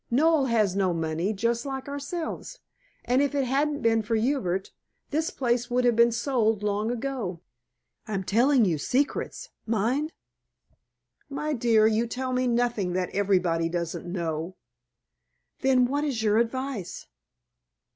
Noel has no money, just like ourselves, and if it hadn't been for Hubert this place would have been sold long ago. I'm telling you secrets, mind." "My dear, you tell me nothing that everybody doesn't know." "Then what is your advice?"